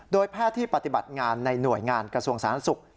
แพทย์ที่ปฏิบัติงานในหน่วยงานกระทรวงสาธารณสุข